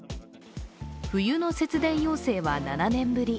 冬の節電要請は７年ぶり。